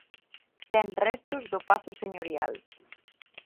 Ten restos do pazo señorial.